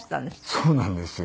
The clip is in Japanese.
そうなんですよ。